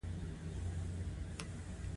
حمزه بابا پخپله د غزل بابا ګڼلی شو